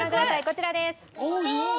こちらです。